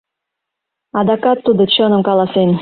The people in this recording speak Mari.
Адакат тудо чыным каласен.